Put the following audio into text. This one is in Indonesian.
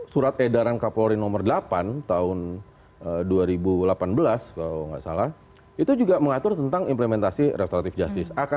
surat edaran kapolri nomor delapan tahun dua ribu delapan belas kalau nggak salah itu juga mengatur tentang implementasi restoratif justice